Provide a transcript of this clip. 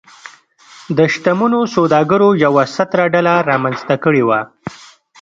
د شتمنو سوداګرو یوه ستره ډله رامنځته کړې وه.